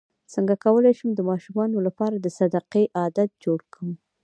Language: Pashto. څنګه کولی شم د ماشومانو لپاره د صدقې عادت جوړ کړم